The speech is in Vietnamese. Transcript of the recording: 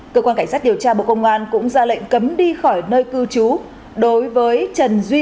cơ quan cảnh sát điều tra bộ công an đã ra quyết định khởi tố vụ án hình sự